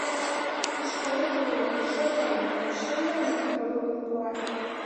Ушкалет уло — шӧрланат, шылланат налогым пуат.